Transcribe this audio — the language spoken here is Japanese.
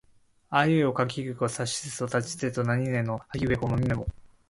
あいうえおかきくけこさしすせそたちつてとなにぬねのはひふへほまみむめも